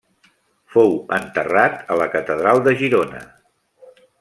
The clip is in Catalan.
Fou enterrat a la Catedral de Girona.